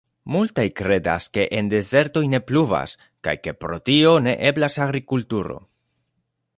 Multaj kredas, ke en dezertoj ne pluvas kaj ke pro tio ne eblas agrikulturo.